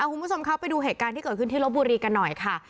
คุณผู้ชมครับไปดูเหตุการณ์ที่เกิดขึ้นที่ลบบุรีกันหน่อยค่ะ